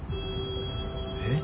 えっ？